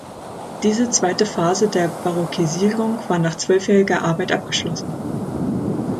Diese zweite Phase der Barockisierung war nach zwölfjähriger Arbeit abgeschlossen.